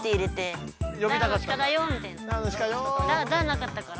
なかったから。